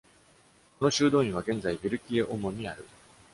この修道院は現在、ヴィルキエ・オモンにある。